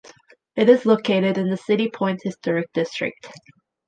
It is located in the City Point Historic District.